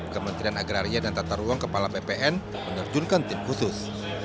kementerian agraria dan tata ruang kepala bpn menerjunkan tim khusus